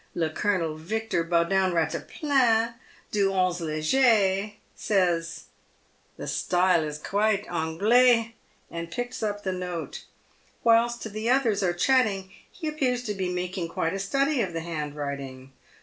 Le Colonel Victor Baudin Eattaplan, du ll e Leger, says, " The style is quite Anglais," and picks up the note. Whilst the others are chatting, he appears to be making quite a study of the hand writing.